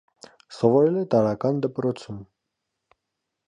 Սովորել է տարրական դպրոցում։